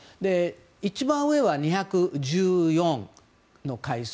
一番上は２１４の回数。